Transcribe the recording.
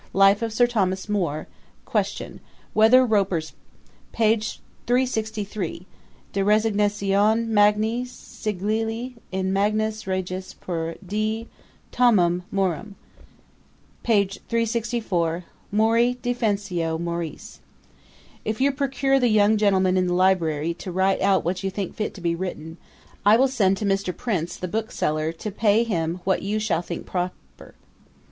Life of Sir Thomas More. Qu. Whether Roper's? Pag. 363. De resignatione Magni Sigilli in manus Regis per D. Thomam Morum. Pag. 364. Mori Defensio Morice. 'If you procure the young gentleman in the library to write out what you think fit to be written, I will send to Mr. Prince the bookseller to pay him what you shall think proper.